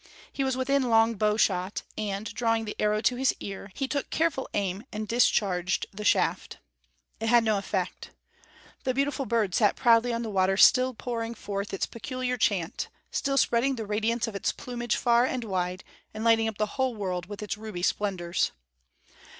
He was within long bow shot, and, drawing the arrow to his ear, he took careful aim and discharged the shaft. It had no effect. The beautiful bird sat proudly on the water still pouring forth its peculiar chant, still spreading the radiance of its plumage far and wide, and lighting up the whole world with its ruby splendors.